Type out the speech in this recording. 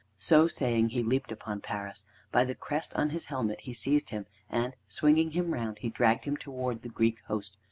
So saying, he leapt upon Paris. By the crest on his helmet he seized him, and, swinging him round, he dragged him towards the Greek host.